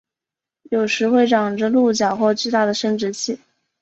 有时会长着鹿角或巨大的生殖器。